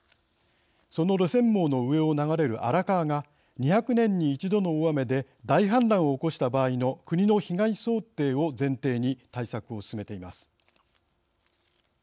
その路線網の上を流れる荒川が２００年に１度の大雨で大氾濫を起こした場合の国の被害想定を前提に対策を進めています。